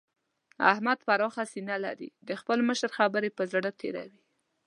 احمد پراخه سينه لري؛ د خپل مشر خبرې پر زړه تېروي.